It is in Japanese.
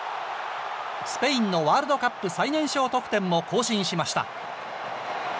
スペインのワールドカップ最年少得点も更新しました。